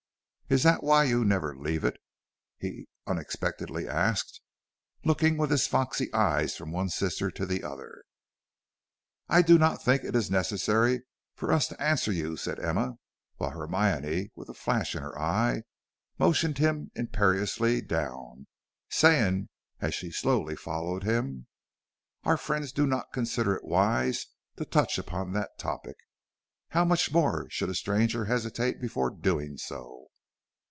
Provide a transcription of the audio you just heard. "Is that why you never leave it?" he unexpectedly asked, looking with his foxy eyes from one sister to the other. "I do not think it is necessary for us to answer you," said Emma, while Hermione, with a flash in her eye, motioned him imperiously down, saying as she slowly followed him: "Our friends do not consider it wise to touch upon that topic, how much more should a stranger hesitate before doing so?"